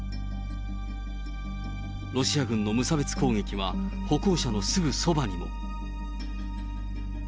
ロシア軍の無差別攻撃は歩行者のすぐそばにも。